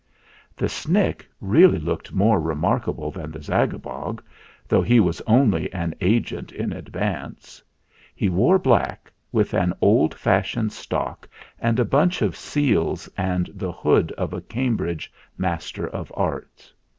The Snick really looked more remarkable than the Zagabog, though he was only an Agent in Advance. He wore black, with an old fashioned stock and a bunch of seals and the hood of a Cambridge Master of Arts.